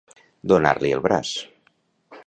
Donar-li el braç.